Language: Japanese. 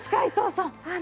伊藤さん。